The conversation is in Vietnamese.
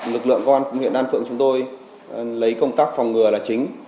lực lượng quan huyện đan phượng chúng tôi lấy công tác phòng ngừa là chính